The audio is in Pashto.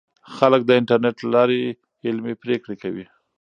خلک د انټرنیټ له لارې علمي پریکړې کوي.